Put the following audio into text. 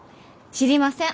知りません。